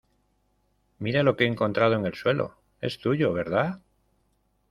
mira lo que he encontrado en el suelo. es tuyo, ¿ verdad?